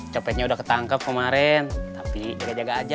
copetnya udah ketangkep kemarin tapi jaga jaga aja